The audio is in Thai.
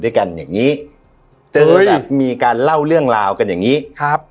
อย่างงี้เจอนะมีการเล่าเรื่องราวกันอย่างงี้ครับ